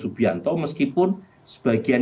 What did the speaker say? subianto meskipun sebagian